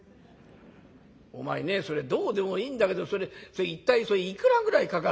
お前ねそれどうでもいいんだけど一体それいくらぐらいかかる？」。